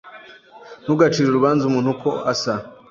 Ntugacire urubanza umuntu uko asa.